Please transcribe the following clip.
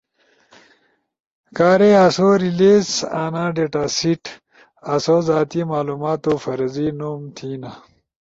کارے آسو ریلیس انا ڈیٹا سیٹ، آسو زاتی معلوماتو فرضی نوم تھینا،